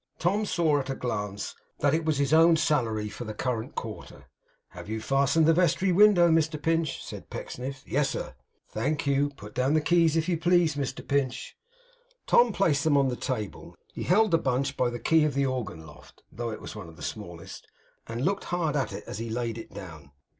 Tom saw, at a glance, that it was his own salary for the current quarter. 'Have you fastened the vestry window, Mr Pinch?' said Pecksniff. 'Yes, sir.' 'Thank you. Put down the keys if you please, Mr Pinch.' Tom placed them on the table. He held the bunch by the key of the organ loft (though it was one of the smallest), and looked hard at it as he laid it down.